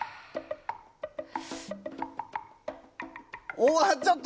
おっちょっと。